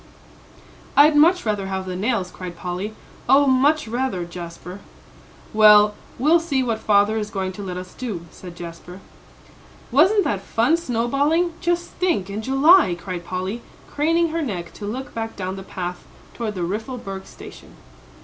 "I'd much rather have the nails," cried Polly, "oh, much rather, Jasper." "Well, we'll see what father is going to let us do," said Jasper. "Wasn't that fun snowballing just think in July," cried Polly, craning her neck to look back down the path toward the Riffelberg station.